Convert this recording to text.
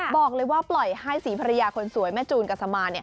บอกเลยว่าปล่อยให้ศรีภรรยาคนสวยแม่จูนกัสมาน